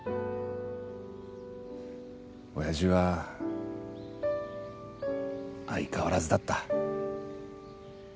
親父は相変わらずだった。